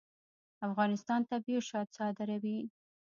افغانستان طبیعي شات صادروي